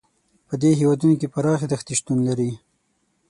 په دې هېوادونو کې پراخې دښتې شتون لري.